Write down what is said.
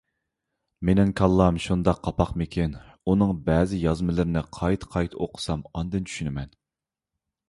مېنىڭ كاللام شۇنداق قاپاقمىكىن، ئۇنىڭ بەزى يازمىلىرىنى قايتا-قايتا ئوقۇسام ئاندىن چۈشىنىمەن.